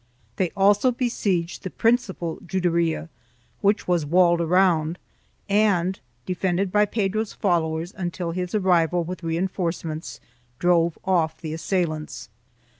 They also besieged the principal Juderia, which was walled around and defended by Pedro's followers until his arrival with reinforcements drove off the assailants.